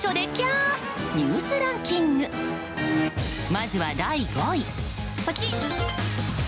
まずは第５位。